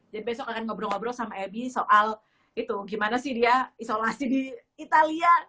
jadi besok akan ngobrol ngobrol sama abby soal gimana sih dia isolasi di italia